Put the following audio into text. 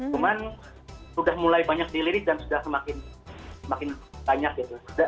cuman sudah mulai banyak dilirik dan sudah semakin banyak gitu